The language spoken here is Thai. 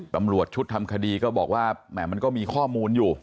ตำรวจชุดทำคดีก็บอกว่าแหม่มันก็มีข้อมูลอยู่